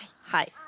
はい。